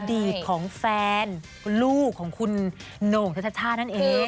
อดีตของแฟนคุณลูกของคุณโหน่งทัชชานั่นเอง